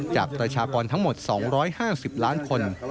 ประชากรทั้งหมด๒๕๐ล้านคน